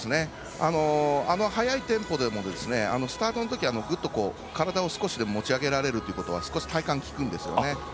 速いテンポでもスタートのときにぐっと体を少しでも持ち上げられるということでは少し体幹がきくんですよね。